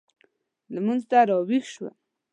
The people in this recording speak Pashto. لمونځ ته راوېښ شوم.